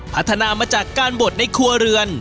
พัฒนามาจากการบดในครัวเรือน